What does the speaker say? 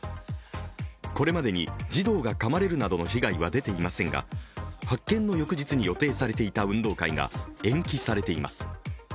これまでに児童がかまれるなどの被害は出ていませんが発見の翌日に予定されていた運動会が延期されています。